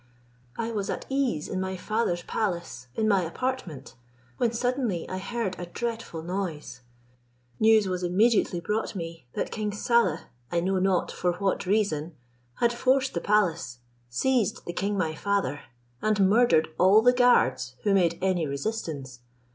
I was at ease in my father's palace, in my apartment, when suddenly I heard a dreadful noise: news was immediately brought me, that king Saleh, I know not for what reason, had forced the palace, seized the king my father, and murdered all the guards who made any resistance.